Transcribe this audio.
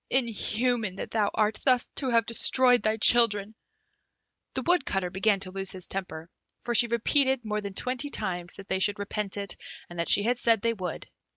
Inhuman that thou art, thus to have destroyed thy children!" The Woodcutter began to lose his temper, for she repeated more than twenty times that they should repent it, and that she had said they would.